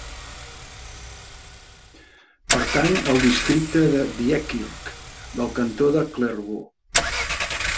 Pertany al districte de Diekirch del cantó de Clervaux.